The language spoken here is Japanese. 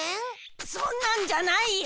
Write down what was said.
そんなんじゃないよ。